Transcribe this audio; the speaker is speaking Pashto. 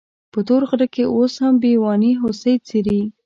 په تور غره کې اوس هم بېواني هوسۍ څري.